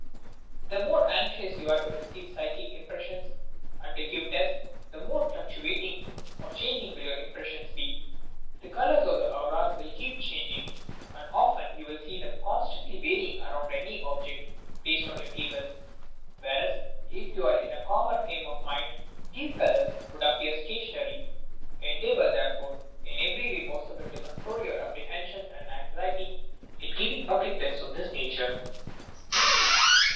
"The more anxious you are to receive psychic im pressions and to give tests, the more fluctuating or changing will your impressions be. The colours of the TEST MESSAGES auras will keep changing, and often you will see them constantly varying around any object placed on your table, whereas if you were in a calmer frame of mind, these colours would appear stationary. Endeavour, therefore, in every way possible to control your appre hension and anxiety in giving public tests of this nature.